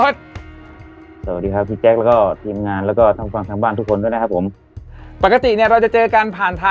สวัสดีครับพี่พลด